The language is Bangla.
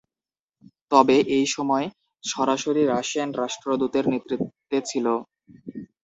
তবে, এই সময় সরাসরি রাশিয়ান রাষ্ট্রদূতের নেতৃত্বে ছিল।